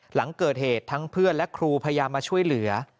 หลังเกิดเหตุทั้งเพื่อนและครูพยายามมาช่วยเหลือ